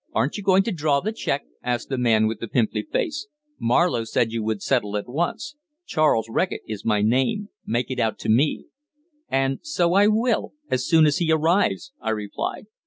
"Aren't you going to draw the cheque?" asked the man with the pimply face. "Marlowe said you would settle at once; Charles Reckitt is my name. Make it out to me." "And so I will, as soon as he arrives," I replied.